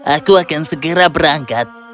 aku akan segera berangkat